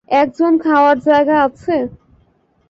একজন খাওয়ার জায়গা আছে?